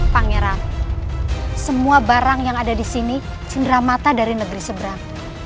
pangeran semua barang yang ada di sini cendera mata dari negeri seberang